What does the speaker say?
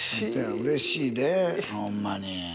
うれしいでホンマに。